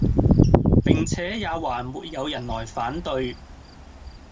並且也還沒有人來反對，